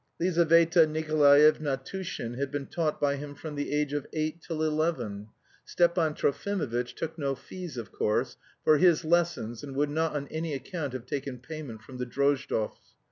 Lizaveta Nikolaevna Tushin had been taught by him from the age of eight till eleven (Stepan Trofimovitch took no fees, of course, for his lessons, and would not on any account have taken payment from the Drozdovs).